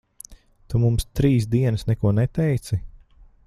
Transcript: Tu mums trīs dienas neko neteici?